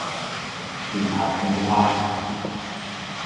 離合悲歡